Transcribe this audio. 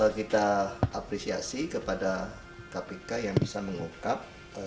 kita apresiasi kepada kpk yang bisa mengungkap